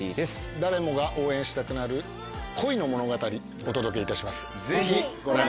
誰もが応援したくなる恋の物語お届けいたします。